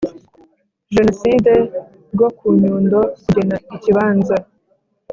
Jenoside rwo ku Nyundo kugena ikibanza